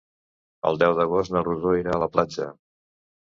El deu d'agost na Rosó irà a la platja.